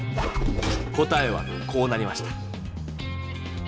答えはこうなりました。